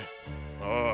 ああ。